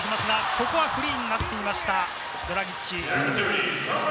ここは、フリーになっていました、ドラギッチ。